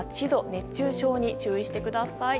熱中症に注意してください。